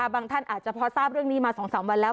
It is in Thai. ท่านอาจจะพอทราบเรื่องนี้มา๒๓วันแล้ว